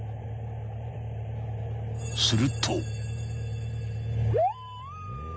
［すると］